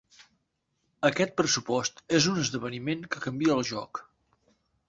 Aquest pressupost és un esdeveniment que canvia el joc.